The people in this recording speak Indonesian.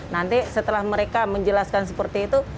nanti setelah mereka menjelaskan seperti itu